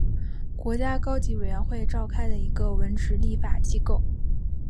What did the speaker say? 国家高级委员会召开的一个文职立法机构。